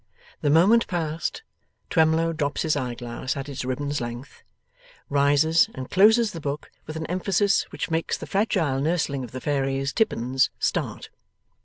The moment past, Twemlow drops his eyeglass at its ribbon's length, rises, and closes the book with an emphasis which makes that fragile nursling of the fairies, Tippins, start.